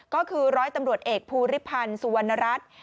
ก็คือร้อยตำรวจเอกภูริพันธ์สุวรรณรัฐ